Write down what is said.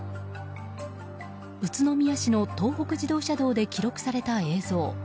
宇都宮市の東北自動車道で記録された映像。